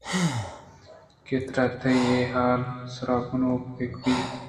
کہ ترا تئی اے حال ءَ سر کنوک بہ بیت